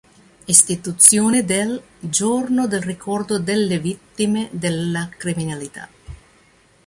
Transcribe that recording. Istituzione del 'Giorno del ricordo delle vittime della criminalità'.